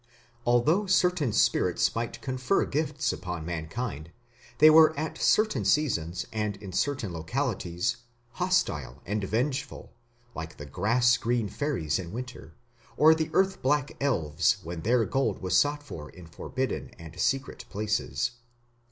Although certain spirits might confer gifts upon mankind, they were at certain seasons and in certain localities hostile and vengeful, like the grass green fairies in winter, or the earth black elves when their gold was sought for in forbidden and secret places.